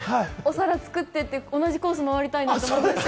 鳥取行って、ばばあ食べて、お皿作ってって、同じコース回りたいなと思いました。